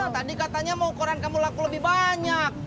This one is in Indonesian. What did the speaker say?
tadi katanya mau koran kamu laku lebih banyak